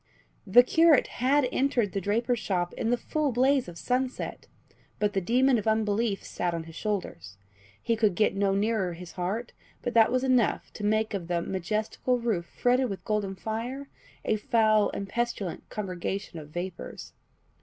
The curate had entered the draper's shop in the full blaze of sunset, but the demon of unbelief sat on his shoulders; he could get no nearer his heart, but that was enough to make of the "majestical roof fretted with golden fire .... a foul and pestilent congregation of vapours."